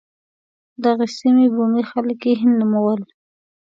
دغې سیمې بومي خلک یې هند ونومول.